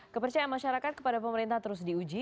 kepercayaan masyarakat kepada pemerintah terus diuji